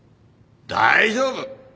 大丈夫。